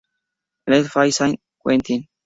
Le Fay-Saint-Quentin